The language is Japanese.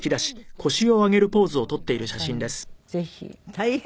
大変。